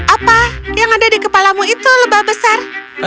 apa yang ada di kepalamu itu lebah besar